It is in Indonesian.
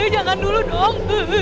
jangan dulu dong